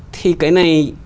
thì cái này